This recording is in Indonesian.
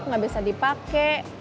gak bisa dipake